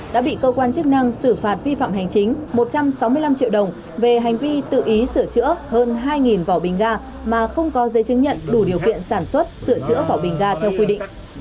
lực lượng chức năng tỉnh bình định tự ý sửa chữa hơn hai vỏ bình ga mà không có giấy chứng nhận đủ điều kiện sản xuất sửa chữa vỏ bình ga theo quy định